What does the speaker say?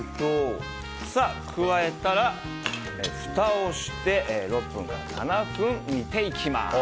加えたら、ふたをして６分から７分煮ていきます。